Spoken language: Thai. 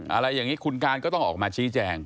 อะไรอย่างนี้คุณการก็ต้องออกมาชี้แจง